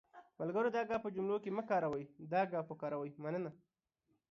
ملګرو دا گ په جملو کې مه کاروٸ، دا ګ وکاروٸ.مننه